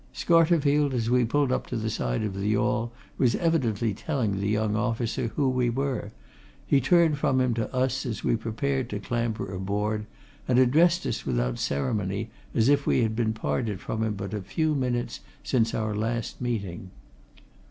Scarterfield, as we pulled up to the side of the yawl, was evidently telling the young officer who we were; he turned from him to us as we prepared to clamber aboard and addressed us without ceremony, as if we had been parted from him but a few minutes since our last meeting.